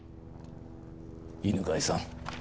犬飼さん。